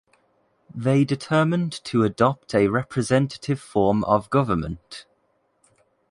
They determined to adopt a representative form of government.